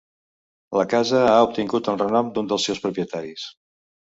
La casa ha obtingut el renom d'un dels seus propietaris.